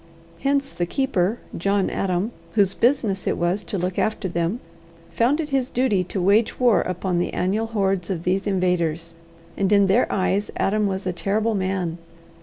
Hence the keeper, John Adam, whose business it was to look after them, found it his duty to wage war upon the annual hordes of these invaders; and in their eyes Adam was a terrible man.